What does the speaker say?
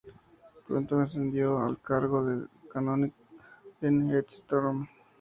Pronto ascendió al cargo de canónigo en Esztergom.